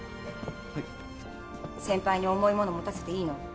はい先輩に重いもの持たせていいの？